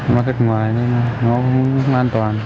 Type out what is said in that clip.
mà khách ngoài nó cũng không an toàn